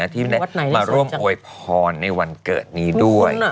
ที่มาร่วมอวยพรในวันเกิดนี้ด้วย